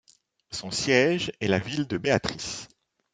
Son siège est la ville de Beatrice.